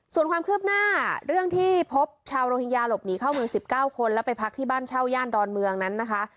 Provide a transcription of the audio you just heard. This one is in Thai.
ส่วนความคืบหน้าเรื่องที่พบชาวโรฮิงญาหลบหนีเข้าเมือง๑๙คนแล้วไปพักที่บ้านเช่าย่านดอนเมืองนั้นนะคะ